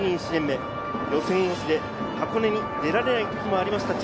予選落ちで箱根に出られない時もありました。